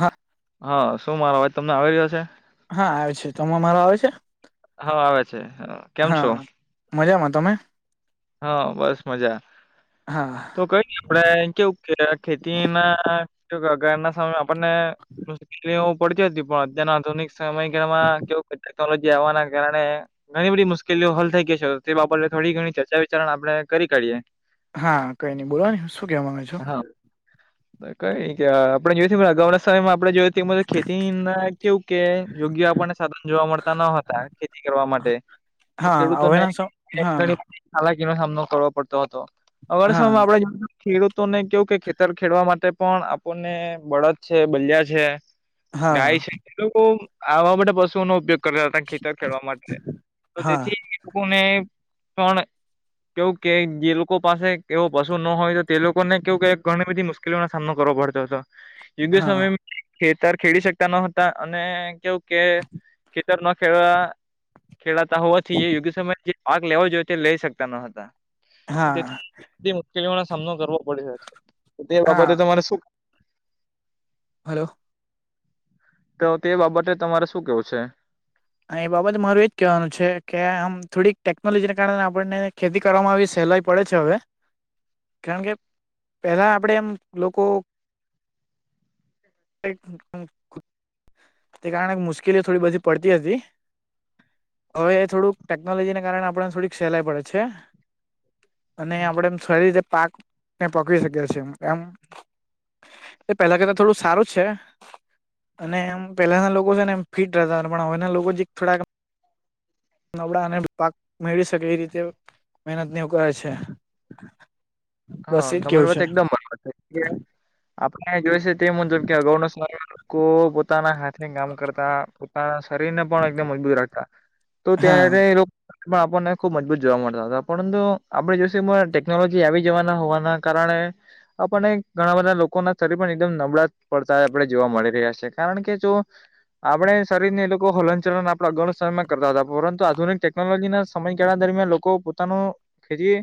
હા હા શું મારો અવાજ તમને આવી રહ્યો છે. હા આવે છે તમને મારો આવે છે. હા આવે છે કેમ છો હા મજામાં તમે હા બસ મજા હા તો કઈ આપડે કેવું કે ખેતી ના આગર ના સમય આપને મુશકેલી પડતી હતી પણ અત્યારના આધુનિક સમયગાળમાં કેવું ટેકનોલોજી આવવાના કારણે ઘણી બધી મુશ્કેલીઓ હલ થઈ ગઈ છે તે બાબતે થોડી ઘણી ચર્ચા [unintelligible] આપણે કરી કાઢીએ. હા કઈ નઈ બોલો ન શું કેવા માંગે છો. હા કઈ નઈ આપણે જોયએને અગાઉના સમયમાં આપણે જોય તેજ ખેતી ના કેવું કે યોગ્ય આપણને સાધન જોવા મળતા ન હતા ખેતી કરવા માટે તો હા ખેડૂતોને હવેના સ હા [unintelligible] હાલાકીનો સામનો કરવો પડતો હતો હા [unintelligible] ખેડૂતોને કેવું કે ખેતર ખેડવા માટે પણ આપણને બળદ છે બલિયા છે હા ગાય છે એ લોકો આવા માટે પશુઓ નો ઉપયોગ કરતા હતા ખેતર ખેડવા માટે તો હા તેથી એ લોકોને પણ કેવું કે જે લોકો પાસે એવો પશુ ન હોય તો તે લોકોને કેવું કે ઘણી બધી મુશ્કેલીઓનો સામનો કરવો પડતો હતો. [unintelligible] હા સમય ખેતર ખેડી શકતા ન હતા અને કેવું કે તર ના ખેડા ખેડાતા હોવાથી યોગ્ય સમયે જે પાક લેવો જોઈએ તે લઈ શક [unintelligible] હા મુશ્કેલીઓનો સામનો કરવો પડ્યો હતો. તે બાબતે હા તમારે શુંખ હાલો તો તે બાબતે તમારે શું કેવું છે. અને એ બાબતે મારું એજ કહેવાનું છે કે આમ થોડીક ટેકનોલોજીને કારણે આપણને ખેતી કરવામાં આવી સહેલાઈ પડે છે હવે કારણ કે પેલા આપડે એમ લોકો તે કારણે મુશ્કેલી થોડી બધી પડતી હતી. હવે એ થોડુંક ટેકનોલોજીને કારણે આપણને થોડીક સહેલાઈ પડે છે. અને આપડે એમ સારી રીતે પાકને પકડી શકે છે એમ એ પેલા કરતા થોડું સારું છે. અને એમ પેલાના લોકો છે ને એમ ફિટ રહેતા હતા પણ હવે ના લોકો જે થોડાક નબળા અને પાક મેળવી શકે એ રીતે મહેનત નેવ કરે છે બસ હા એજ તમારી કેવું વાત છે. એકદમ બરાબર છે કે આપણે જોઈશે તે મુજબ કે અગાઉ ના સારો લોકો પોતાના હા થી કામ કરતા પોતાના શરીર ને પણ એકદમ મજબૂત રાખતા તો હા ત્યારે લો પણ આપણને ખુબ મજબૂત જોવા મળતા હતા પરંતુ આપડે જોઈશ ટેકનોલોજી આવી જવાના હોવાના કારણે આપણને ઘણા બધા લોકો ના શરીર પણ એકદમ નબળા પડતા આપડે જોવા મળી રહ્યા છે કારણ કે જો આપડે શરીર ને એ લોકો હલનચલન આપડા ગણ સમયમાં કરતા હતા પરંતુ આધુનિક ટેકનોલોજી ના સમયગાળા દરમિયાન લોકો પોતાનું ખેતી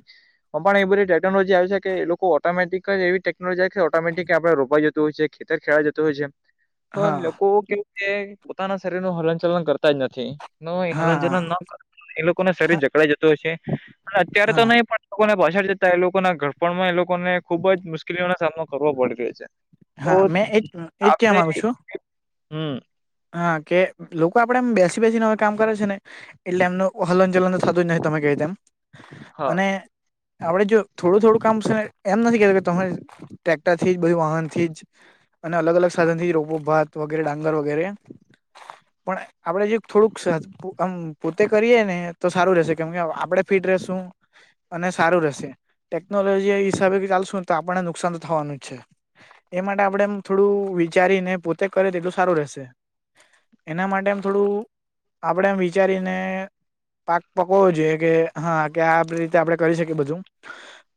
પણ એ બધી ટેકનોલોજી આવે છે કે એ લોકો ઓટોમેટિક જ એ ટેકનોલોજી છે ઓટોમેટિક આપડે રોપાઈ જતું હોય છે. ખેતર ખેડાઈ જતું હોય છે તો હા લોકો કેમ કે પોતાના શરીર નું હલન ચલન કરતા જ નથી. ન હલન હા ચલન કર એ લોકોને શરીર જકડાઈ જતું હશે અત્યારે હા તો નહી પણ લોકોને પાછળ જતા એ લોકોના ઘડપણ માં એ લોકોને ખુબ જ મુશ્કેલીઓનો સામનો કરવો પડી રહ્યો છે તો હા મેં એજ એજ ક્યાં આપડે માંગુ છું [inaudible] હમ હા કે લોકો આપડેમ બેસી બેસીને હવે કામ કરે છે ને એટલે એમનું હલન ચલન તો થતું જ નથી તમે કેય તેમ હા અને આપડે જો થોડું થોડું કામ સેને એમ નથી કેતા કે તમે ટ્રેક્ટરથી જ બધું વાહનથી જ અને અલગ અલગ સાધન થી રોપો ભાત વગેરે ડાંગર વગેરે પણ આપડે જરીક થોડુંક સ ખુ આમ પોતે કરીએે ને તો સારું રહેશે કેમ કે આપડે ફિટ રેશું અને સારું રશે ટેકનોલોજી એ હિસાબે ચાલશું ને તો આપણને નુકસાન તો થવાનું જ છે એ માટે આપડે એમ થોડું વિચારીને પોતે કરે તેટલું સારું રહેશે એના માટે એમ થોડું આપડે એમ વિચારીને પાક પકવવો જોઈએ કે હા કે આપ રીતે આપડે કરી શકીએ બધું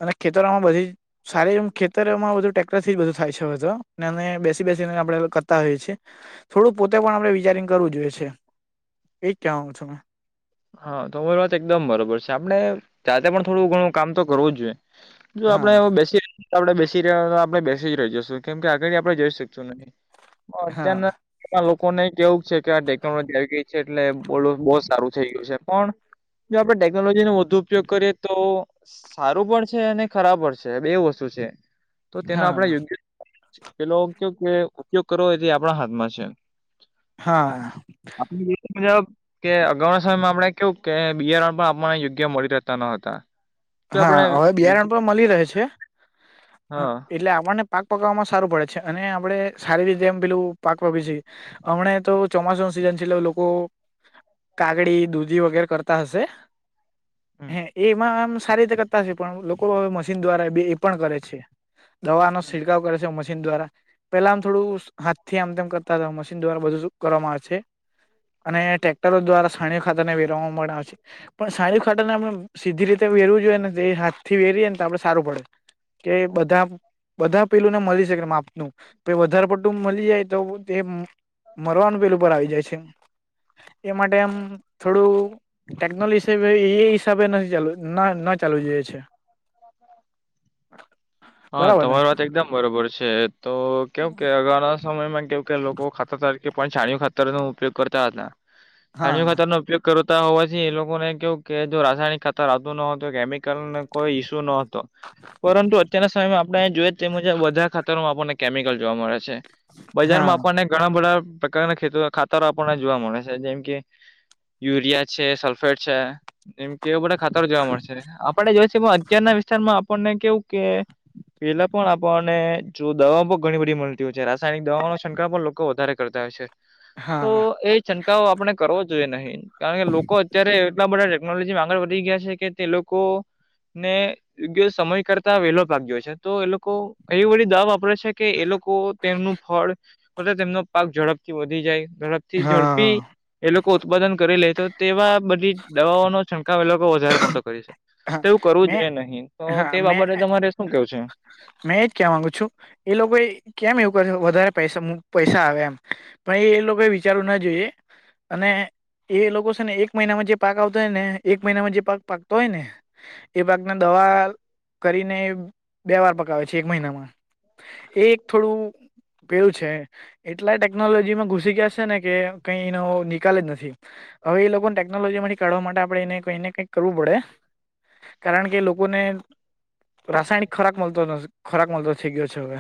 અને ખેતરોમાં બધી સારી એમ ખેત અત્યારે એમાં બધું ટ્રેક્ટરથી જ બધું થાય છે હતો બેસી બેસી આપડે કરતા હોઈએ છે થોડું પોતે પણ આપડે વિચારીને કરવું જોઈએ છે એ જ કહેવા માગું છું મેં હા તમારી વાત એકદમ બરોબર છે આપણે જાતે પણ થોડું ઘણું કામ તો કરવું જ જોઈએ જો આપણે હા એવુ બેસી આપડે બેસી રહ આપડે બેસી જ રહી જશું કેમ કે અગાડી આપડે જઈ શકશું નહી પણ અત્યારના હા એ લોકોને એ કેવું છે કે આ ટેકનોલોજી આવી ગઈ છે એટલે બોલ બો સારું થઈ ગયું છે પણ જો આપડે ટેકનોલોજી નો વધુ ઉપયોગ કરીએ તો સારું પણ છે અને ખરાબ પણ છે બે વસ્તુ છે તો તેનો આપડે હા યોગ્ય પેલો કેવુંક કે ઉપયોગ કરવો એ આપડા હાથમાં છે હા [unintelligible] કે અગાઉના સમયમાં આપડે કેવું કે બિયારણ પણ આપણને યોગ્ય મળી રહેતા ન હતા જો હા આપણે હવે યોગ્ય બિયારણ પણ મળી રહે છે હા એટલે આપણને પાક પકવામાં સારું પડે છે અને આપડે સારી રીતે એમ પેલું પાક [unintelligible] એમણે તો ચોમાસું નું સીઝન છે એલે લોકો કાગડી દૂધી વગેરે કરતા હશે હમ. હે એમાં આમ સારી રીતે કરતા છે પણ લોકો હવે મશીન દ્વારા એ પણ કરે છે દવાનો છિડકાવ કરે છે મશી દ્વારા પેલા આમ થોડું થી આમ તેમ કરતા હતા મશીન દ્વારા બધું કરવામાં આવે છે અને ટ્રેક્ટરો દ્વારા છાણીયા ખાતરને વેરવા પણ આવે છે સાણીઓ ખાતા ને સીધી રીતે વેરવું જોઈએ ને તે હાથી વેરીએ તો આપડે સારું પડે. કે બધા બધા પેલુંને મળી શકે માપનું પછી વધારે પડટુ મળી જાય તો તે મરવાનું પેલું ઉપર આવી જાય છે એ એ માટે આમ થોડું ટેકનોલોજીએ હિસાબે નથી ચાલુ ન ના ચાલુ જોઈએ છે. હા બરાબર ને તમારી વાત એકદમ બરોબર છે તો કેવ કે અગા સમયમાં કેવુ કે લોકો ખાતર તરીકે પણ છાણીયો ખાતર નો ઉપયોગ કરતા હતા. છાણીયા હા ખાતરનો ઉપયોગ કરતા હોવાથી એ લોકોને કેવું કે જો રાસાયણિક ખાતર આવતું ન હતું કેમિકલને કોઈ ઈસ્યુ નતો. પરંતુ અત્યારના સમયમાં આપણે જોઈએ તે મુજબ બધા ખાતરોમાં આપણને કેમિકલ જોવા મળે છે. હા બજારમાં આપણને ઘણા બધા પ્રકારના ખેત ખાતર આપણને જોવા મળે છે જેમ કે યુરિયા છે સલ્ફેડ છે. એમ કે બધા ખાતરો જોવા મળશે આપણે જોય છે પણ અત્યારના વિસ્તાર માં આપણને કેવું કે પેલા પણ આપણને જો દવાઓ પણ ઘણી બધી મળતી હોય છે રાસાયણિક દવાઓ નો છંટકાવ પણ લોકો વધારે કરતા હોય છે. તો હા એ છંટકાવો આપડણે કરવો જોઈએ નહી કારણ કે લોકો અત્યારે એટલા બધા ટેનોલોજીમાં આગળ વધી ગયા છે કે તે લોકોને યોગ્ય સમય કરતા વેલો પાક જોઈએ છે તો એ લોકો એવી બધી દવા વાપરે છે કે એ લોકો તેમનું ફળ તેમનો પાક ઝડપથી વધી જાય. ઝડપથી હા ઝડપી એ લોકો ઉત્પાદન કરી લે. તો તેવા બધી દવાઓ નો છટકાવ લોકો વધારે પણતો કરી છે. હા તો એવું કરવું મેં જોઈએ નહી. તો હા તે મેં બાબતે તમારે શું કેવું છે? મેં એજ કેવા માંગુ છુ. એ લોકો એ કેમ એવું કર વધારે પૈસા પૈસા આવે એમ- પણ એ એ લોકો વિચારવું ના જોઈએ અને એ લોકો છે ને એક મહિનામાં જે પાક આવતા હોય ને, એક મહિનામાં જે પાક પાકતો હોય ને, એ પાકને દવા કરીને બે વાર પકાવે છે એક મહિનામાં. એ એક થોડું પેલું છે. એટલાય ટેકનોલોજીમાં ઘુસી ગયા છે ને કે કઈ એનો નિકલ જ નથી. હવે એ લોકો ને ટેકનોલોજી માંથી કાઢવા માટે આપણે એને કઈ ને કંઈક કરવું પડે. કારણ કે લોકોને રાસાયણિક ખોરાક મલતો ખોરાક મળતો થઈ ગયો છે હવે.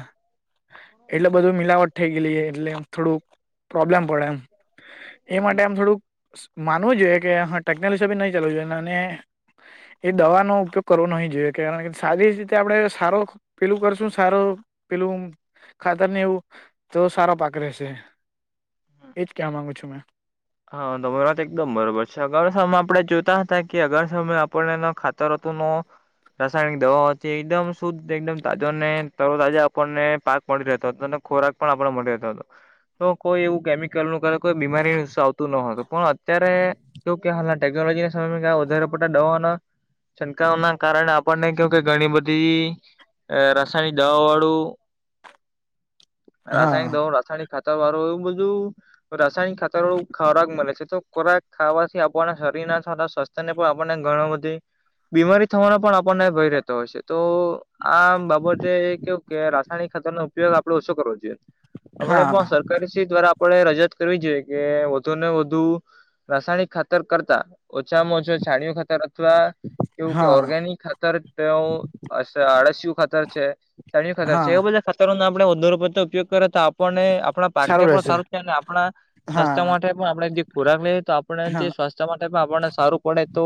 એટલે બધું મિલાવટ થઈ ગેલી એટલે થોડુંક પ્રોબ્લેમ પડે એમ. એ માટે આમ થોડુંક માનવું જોઈએ કે હ ટેકનોલજી નહીં ચાલવું જોઈએ, અને એ દવાનો ઉપયોગ કરવો નહી જોઈએ. કારણ કે સારી રીતે આપડે સારો પેલું કરશું સારો પેલું ખાતર ને એવું તો સારા પાક રહેેશે. ક્વા માંગું છું મેં. હા તમારા વાત એકદમ બરોબર છે. અગરસામાં આપણે જોતા હતા કે અગારસમાં આપણને ખાતરતુ નો રાસાયણિક દવાથી એકદમ શુદ્ધ એકદમ તાજો ને તર તાજા આપણને પાક મળી રહેતો હતો, અને ખોરાક પણ આપે મળી રહેતો હતો. તો કોઈ એવું કેમિકલ નું કોઈ બીમારીનું સાવ ન હતું, પણ અત્યારે કે હાલ ટેકનોલોજી ના સમયમાં ક વધારે પતા દવાના છંકાવ ના કારણે આપણને કે કે ઘણી બધી અ રસાયણિક દવાવાળું હા રાસાયણિક દવા, રાસાયણિક ખાતરવાળું, એવું બધું રાસાયણિક ખાતર વાળું ખોરાક મલે છે. તો ખોરાક ખાવાથી આપણને શરીર નાા સ્વાસ્થ્યને પણ આપણને ઘની બધી બીમારી થવાનો પણ આપણને ભય રહેતો હોય છે. તો આ બાબતે કેવું કે રાસ રસાયનિક ખતર નો ઉપયોગ આપડે ઓછો કરવો જોઈએ આપણે હા દ્વારા આપડે રજૂઆત કરવી જોઈએ કે તોને વધુ રાસાયણિક ખાતર કરતા ઓછામાં ઓછા છાણીયો ખાતર અથવા કેવું કે હા ઓર્ગેનિક ખાતર તેવુ આળસયુ ખાતર છે. છાણીયું ખતર છે. એ હા બધા ખતરો આપડણે વદુ ઉપયોગ કરે તો આપને આપણા પાક ને પણ સારું થાય અને આપણા સ્વાસ્થ્ય હા માટે પણ આપણે જે ખોરાક લઈએ તો આપણે હા સ્વાસ્થ્ય માટે પણ આપણને સારું પડે તો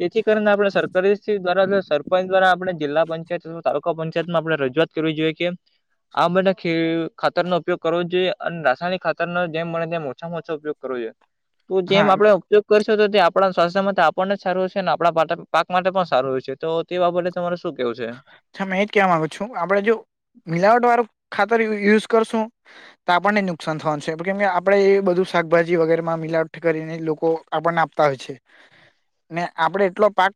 તેથી કરીને આપણે સરકારશ્રી દ્વારા સરપંચ દ્વારા આપણે જિલ્લા પંચાયત અથવાતાલુકા પંચાયત માં આપણે રજૂઆત કરવી જોઈએ કે આ બધા ખે ખાતર નો ઉપયોગ કરવો જોઈએ. અને રાસાયણિક ખાતર ન જેમ બને તેમ ઓછામાં ઉપયોગ કરવો જોઈએ તો જેમ હા આપણે ઉપયોગ કરશો તો તે આપણા સ્વાસ્થ્ય માટે આપણને જ સારું હ છે અને આપણા પાક માટે પણ સારુંય છે તો તે બાબતે તમારે શું કેવું છે હ મેં એજ કહેવા માંગુ છું આપડે જો મિલાવટ વાળું ખાતર યુઝ કરશું તો આપણને નુકસાન થવાનું છે, પણ કેમ કે આપણેે એ બધું શાકભાજી વગેરે માં મિલાવટ કરીને લોકો આપણને આપતા હોય છે. ને આપડે એટલો પાક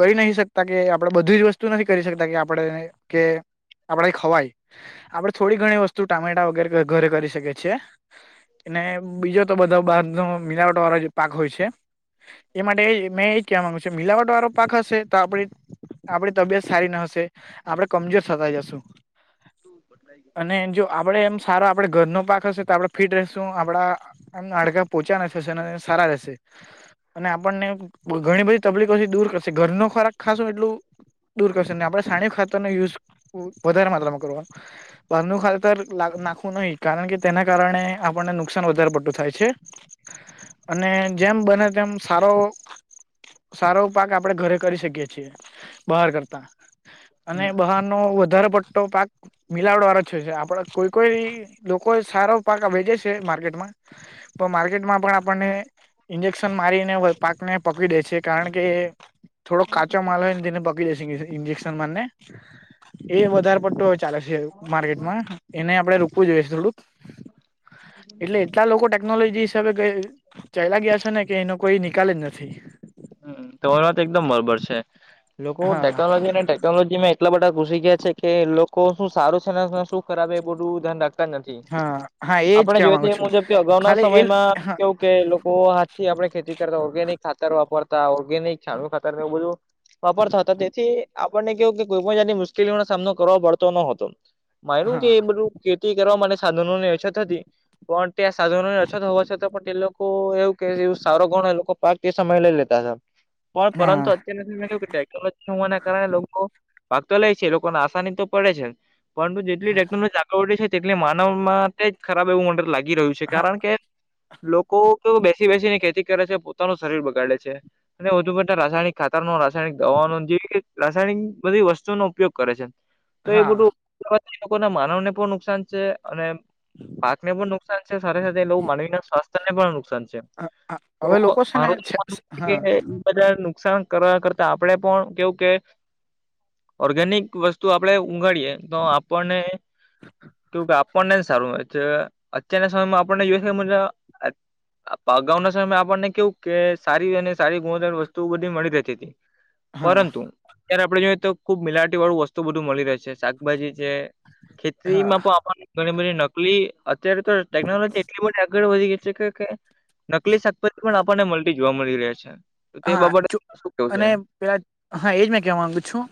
કરી નહી શકતા કે આપડે બધી જ વસ્તુ તું નથી કરી શકતા કે આપણે કે આપણે ખવાય આપડે થોડી ઘણી વસ્તુ ટામેટા વગેરે ઘરે કરી શકીએ છીએ અને બીજો તો બધા બાર નો મિલાવટ વાળો જે પાક હોય છે. તે માટે મેં એ કવા માંગુ છે મિલાવટો આરો પાક હશે તો આપ આપડી તબિયત સારી ના હશે આપડે કમજોર થતા જશું. અને જો આપડે એમ સારા આપણે ઘરનો પાક હશે તો આપણે ફિટ રહેશું. આપડા એમ હાડકા પોચા ન થશે ને સારા રહેશે. અને આપણને ઘણી બધી તબલીફોથી દૂર કરશે. ઘરનું ખોરાક ખાશું એટલું દૂર કરશે આપડે સાણી ખાતર યુઝ વધારે માત્રામાં કરવાનો પ નનું ખાતતર નાખવું નહીિ કારણ કે તેના કારણે આપણને નુકસાન વધારે પડતું થાય છે હ અને જેમ બને તેમ સારો સારો પાક આપડણે ઘરે કરી શકીએ છીએ બહાર કરતા અને બહારનો વધારેો પડ પાક મિલાવડ વાર જ છે છે આપડે કોઈ કોઈ લોકો સારો પાકા વેચે છે માર્કેટમાં તો માર્કેટમાં પણ આપણને ઇન્જેક્શન મારીને પાક ને પકડી દે છે કારણ કે થોડો કાચો માલ હોય ને તેને જેક્શનને એ વધારે પટો ચાલે છે માર્કેટમાં એને આપડે રોકવું જોઈએ છે થોડુંક એટલે એટલા લોકો ટેકનોલોજી હિસાબે ચાલલા ગયા છે ને કે એનો કોઈ નિકાલ જ નથી હ તમારી વાત એકદમ બરોબર છે લોકો હા ટેકનોલોજી અને ટેકનોલોજી માં એટલા બધા પૂછી ગયા છે કે લોકો શું સારું છે ને શું ખરાબ એ બધું ધન રાખ નથી હા હા એજ આપણે કેવા જોઈ માંગુ એ છું મુજબ કે અગાઉના ખાલી એ સમયમાં હા કેવું કે લોકો હાથથી આપડણે ખેતી કરતા ઓર્ગેનિક ખાતર વાપરતા ઓર્ગેનિક છા ખતર ને એવું બધું વાપરતા હતા તેથી આપણને કેવું કે કોઈ પણ જાની મુશ્કેલીઓનો સામનો કરવાવો પડતો નતો માનું હા કે એ બધું ખેતી કરવા માટે સાધનો ની અછત હતી પણ્યાં સાધનો ની અછત હોવા છ પણ એ લોકો એવું કે સારો ગણ એ લોકો પાક તે સમય લઈ લેતા હતા પણ પરંતુ હા અત્યારે નથી મેં ક કે ટેકનોલોજી વા કારણે લોકો ભાગતો લે છે લોકોને આસાની તો પડે છે પણુ જેટલી ટેકનોલોજી આવડે છે તેટલે માનવમાં તે જ ખરાબ એવું મ લાગી રહ્યું છે કારણ કે લોકો કે બેસી બેસીને ખેતી કરે છે પોતાનું શરીર બગાડે છે. અને વધુ પડતા રાસાયણ ખતર નો રાસાયણિક દવા ન જેવી રાસાયણિક બધી વસ્તુ નો ઉપયોગ કરે છે તો એ હા બધું લોકો ના માનવને પણ નુકસાન છે અને પાક ને પણ નુકસાન છે સાથે સાથે લોકો માનવી ના સ્વાસ્થ્ય ને પણ નુકસાન છે હા તો હવે લોકો છે ને મારું માનવું છે હા કે બધા નુકસાન કરવા કરતા આપણે પણ કેવું કે ઓર્ગેનિક વસ્તુ આપણે ઊંઘાડીયએ તો આપણને કેું કે આપણને સારું અત્યારના સમયમાં આપણને જો અગાઉ ના સમય આપણને કેવું કે સારી અને સારી ગુણવત્ વસ્તુ બધી મળી રહેતી હતી. હા પરંતુ અત્યારે આપડે જોઈએ તો ખુબ મિલાટી વાળું વસ્તુ બધું મળી રહે છે શાકભાજી છે. હા ખેતીમાં પણ આપ ઘણી બધી નકલી અત્યારે તો ટેકનોલોજી એટલી બધી આગળ વધી ગઈ. નકલી શાકપાતી પણ આપણને મળતી જોવા મળી રહ્યા છે. તો તે હા બાબતે શું કેવું છે? અને પેલા હા એજ મેં કેવા માંગુ છું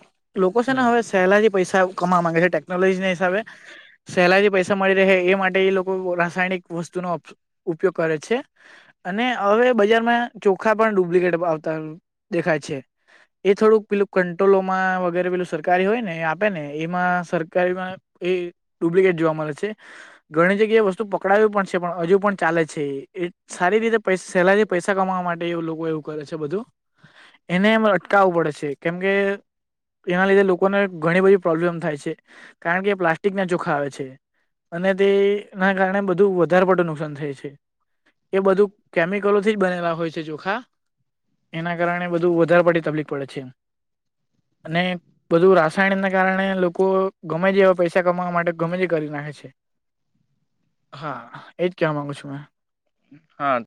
લોકો છે ને હમ. હવે. પહેલાથી પૈસા કમાવા માંગે છે ટેકનોલોજી ના હિસાબે સહેલાઈથી પૈસા મળી રહે એ માટે એ લોકો રાસાયણિક વસ્તુનો ઉપયોગ કરે છે. અને હવે બજારમાં ચોખા પણ ડુપ્લિકેટ આવતા દેખાય છે. એ થોડુંક પેલું કંટ્રોલોમાં વગેરે પેલું સરકારી હોય ને આપે ને એમાં સરકારીમાં એ ડુપ્લિકેટ જોવા મળે છે. ઘણી જગ્યાએ વસ્તુ પકડાવ પણ છે પણ હજુ પણ ચાલે છે એ. સારી રીતે પ સેલારી પૈસા કમાવા માટે એવું લોકો એવું કરે છે બધું. એનેરે અટકાવવું પડે છે કેમ કે. એના લીધે લોકોને ઘણી બધી પ્રોબ્લેમ થાય છે કારણ કે પ્લાસ્ટ. ક ના ચોખા આવે છે અને તે ના કારણે બધું વધારે પડતું નુકસાન થાય છે. એ બધું કેમિકલોથી જ બનેલા હોય છે ચોખા એના કારણે બધું વધારે પડી તકલીફ પડે છે અને બધું રાસાયણને કારણે લોકો ગમે તે એવા પૈસા કમાવા માટે ગમે તે કરી નાખે છે. હા એજ ક્યા મામાંગું છું મેં. હા.